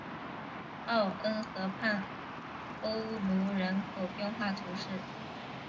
奥恩河畔欧努人口变化图示